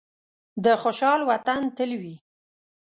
د خوشحال وطن تل وي.